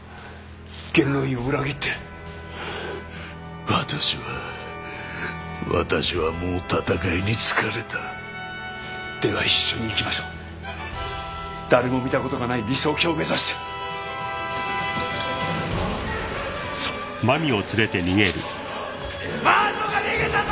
元老院を裏切って私は私はもう戦いに疲れたでは一緒に行きましょう誰も見たことがない理想郷を目指してさあ魔女が逃げたぞ！